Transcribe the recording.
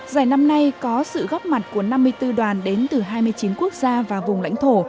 giải năm nay có sự góp mặt của năm mươi bốn đoàn đến từ hai mươi chín quốc gia và vùng lãnh thổ